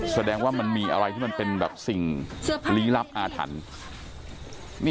สดังมันมีอะไรที่มันเป็นแบบทริยรับอาถรรพ์